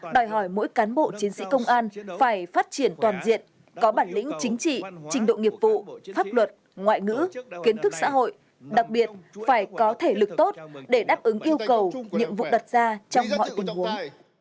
đòi hỏi mỗi cán bộ chiến sĩ công an phải phát triển toàn diện có bản lĩnh chính trị trình độ nghiệp vụ pháp luật ngoại ngữ kiến thức xã hội đặc biệt phải có thể lực tốt để đáp ứng yêu cầu nhiệm vụ đặt ra trong mọi tình huống